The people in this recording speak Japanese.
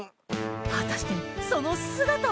果たしてその姿は？